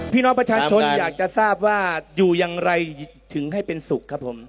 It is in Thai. พี่น้องประชาชนอยากจะทราบว่าอยู่อย่างไรถึงให้เป็นสุขครับผม